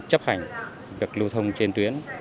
cũng như là chấp hành việc chấp hành việc lưu thông trên tuyến